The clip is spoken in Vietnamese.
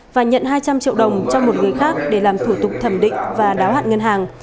và nhận hai trăm linh triệu đồng cho một người khác để làm thủ tục thẩm định và đáo hạn ngân hàng